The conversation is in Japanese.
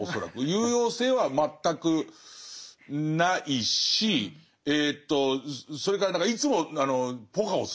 有用性は全くないしえとそれから何かいつもポカをする。